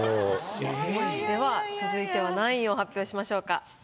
では続いては何位を発表しましょうか？